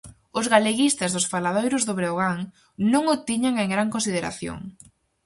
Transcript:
Os galeguistas dos faladoiros do Breogán non o tiñan en gran consideración.